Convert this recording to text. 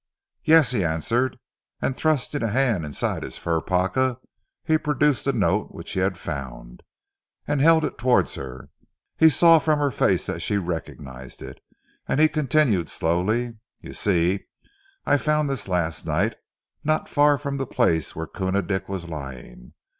"Yes," he answered, and thrusting a hand inside his fur parka, he produced the note which he had found, and held it towards her. He saw from her face that she recognized it, and he continued slowly: "You see, I found this last night not far from the place where Koona Dick was lying.